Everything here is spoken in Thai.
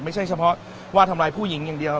ไม่ใช่เฉพาะว่าทำร้ายผู้หญิงอย่างเดียว